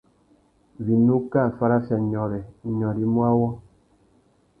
Winú kā farafia nyôrê, nyôrê i mú awô.